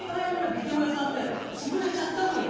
ビデオ屋さんね潰れちゃったのよ！